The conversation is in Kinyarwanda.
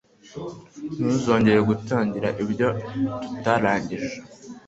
Ntuzongere gutangira ibyo tutaranjyije.